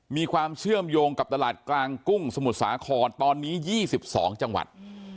มีความเชื่อมโยงกับตลาดกลางกุ้งสมุทรสาครตอนนี้๒๒จังหวัด